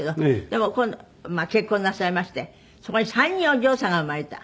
でも今度結婚なさいましてそこに３人お嬢さんが生まれた。